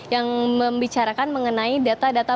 yang membicarakan mengenai data data